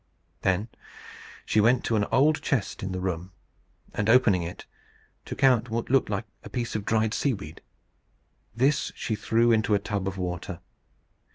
Then she went to an old chest in the room, and opening it, took out what looked like a piece of dried seaweed. This she threw into a tub of water.